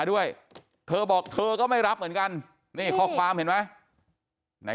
ด้วยเธอบอกเธอก็ไม่รับเหมือนกันนี่ข้อความเห็นไหมไหน